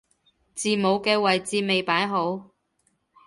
字母嘅位置未擺好